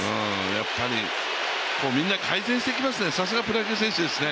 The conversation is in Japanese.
やっぱりみんな改善してきますね、さすがプロ野球選手ですね。